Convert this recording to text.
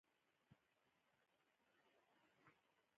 مصباح الحق یو تجربه لرونکی لوبغاړی وو.